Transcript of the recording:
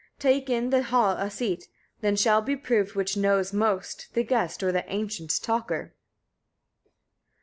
Take in the hall a seat; then shall be proved which knows most, the guest or the ancient talker.